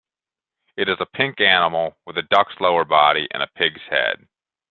It is a pink animal with a duck's lower body and a pig's head.